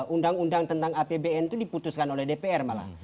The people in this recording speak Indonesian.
undang undang tentang apbn itu diputuskan oleh dpr malah